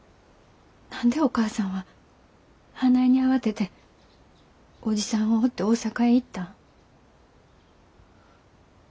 何でお母さんはあないに慌てて伯父さんを追って大阪へ行ったん？